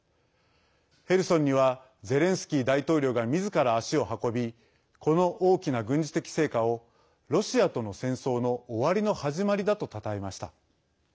ヘルソンにはゼレンスキー大統領がみずから足を運びこの大きな軍事的成果をロシアとの戦争の終わりの始まりだとたたえました。